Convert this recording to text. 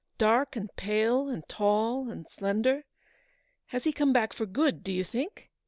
dark and pale, and tall and slender. Has he come back for good, do you think